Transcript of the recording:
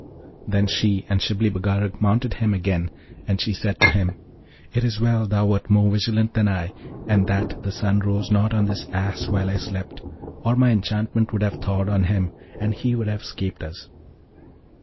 Then she and Shibli Bagarag mounted him again, and she said to him, 'It is well thou wert more vigilant than I, and that the sun rose not on this Ass while I slept, or my enchantment would have thawed on him, and he would have 'scaped us.'